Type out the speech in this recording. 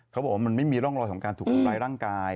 เขาบอกว่ามันไม่มีร่องรอยของการถูกทำร้ายร่างกาย